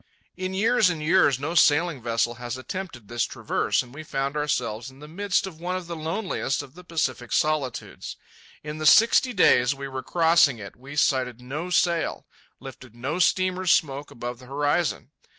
In years and years no sailing vessel has attempted this traverse, and we found ourselves in the midst of one of the loneliest of the Pacific solitudes. In the sixty days we were crossing it we sighted no sail, lifted no steamer's smoke above the horizon.